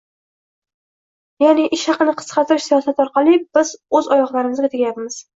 Ya'ni, ish haqini qisqartirish siyosati orqali biz o'z oyoqlarimizga tegayapmiz